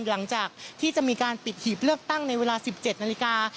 หลังจากที่จะมีการปิดหีบเลือกตั้งในเวลา๑๗นาฬิกา